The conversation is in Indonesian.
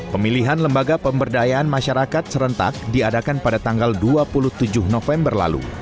pemilihan lembaga pemberdayaan masyarakat serentak diadakan pada tanggal dua puluh tujuh november lalu